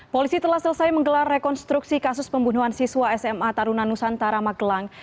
polisi telah selesai menggelar rekonstruksi kasus pembunuhan siswa sma tarunan nusantara magelang